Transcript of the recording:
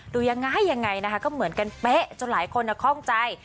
ดูยังไงยังไงนะคะก็เหมือนกันเป๊ะจนหลายคนคล่องใจ